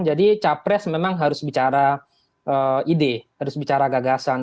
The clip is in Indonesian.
jadi capres memang harus bicara ide harus bicara gagasan